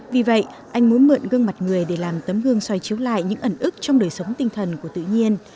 vì vậy anh muốn mượn gương mặt người để làm tấm gương xoay chiếu lại những ẩn ức trong đời sống tinh thần của tự nhiên